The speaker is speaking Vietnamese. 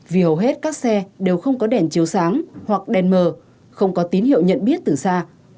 vì hầu hết các xe đều không có đèn chiếu sáng hoặc đèn mờ không có tín hiệu nhận biết từ xa